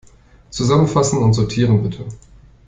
Zusammenfassen und sortieren, bitte.